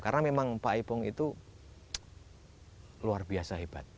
karena memang pak ipung itu luar biasa hebat